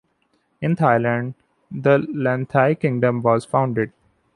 In Thailand the Lannathai kingdom was founded.